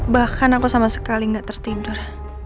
bahkan aku sama sekali tidak tertidur